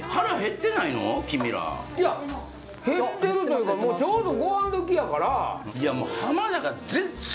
君ら。減ってるというかちょうどご飯時やから。